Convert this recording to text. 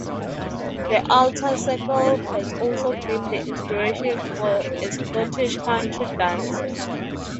The Outer Circle has also been the inspiration for a Scottish Country Dance.